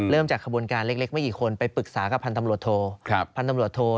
เริ่มจากขบวนการเล็กไม่กี่คนไปปรึกษากับพันธุ์ตำรวจโทร